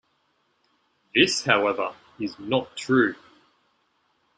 This however is not true.